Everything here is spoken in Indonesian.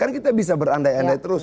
karena kita bisa berandai andai terus